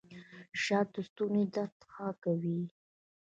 شات د ستوني درد ښه کوي